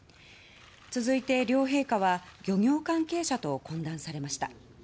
続いて、両陛下は漁業関係者と懇談されました。